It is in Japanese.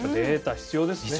必要ですね。